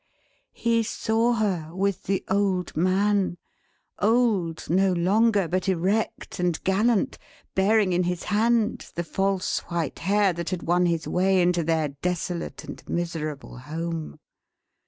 He saw her, with the old man; old no longer, but erect and gallant: bearing in his hand the false white hair that had won his way into their desolate and miserable home.